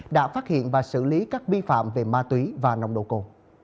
đã phát hiện và xử lý các bi phạm về ma túy và nông đồ cồ